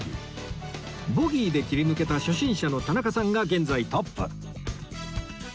ボギーで切り抜けた初心者の田中さんが現在トップ